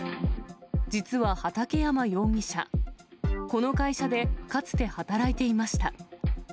実は畠山容疑者、この会社でかつて働いていました。